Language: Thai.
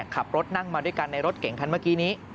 ขับรถนั่งมาด้วยกันในรถเก่งคันเมื่อกี้นี้